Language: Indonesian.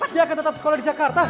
dia akan tetap sekolah di jakarta